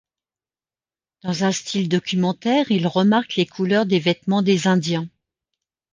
Dans un style documentaire il remarque les couleurs des vêtements des indiens.